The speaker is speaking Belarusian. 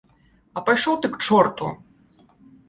А пайшоў ты к чорту!